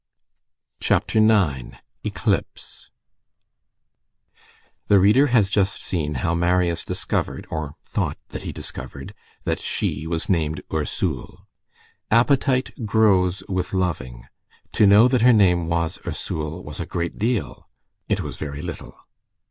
CHAPTER IX—ECLIPSE The reader has just seen how Marius discovered, or thought that he discovered, that She was named Ursule. Appetite grows with loving. To know that her name was Ursule was a great deal; it was very little.